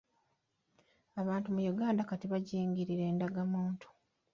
Abantu mu Uganda kati bajingirira endagamuntu.